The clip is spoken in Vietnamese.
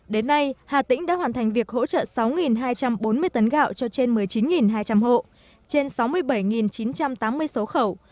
đến nay hà tĩnh đã hoàn thành việc hỗ trợ sáu hai trăm bốn mươi tấn gạo cho trên một mươi chín hai trăm linh hộ trên sáu mươi bảy chín trăm tám mươi số khẩu